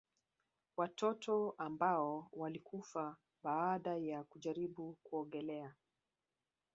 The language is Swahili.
Watoto ambao walikufa baada ya kujaribu kuogelea